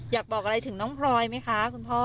อยากบอกอะไรถึงน้องพลอยไหมคะคุณพ่อ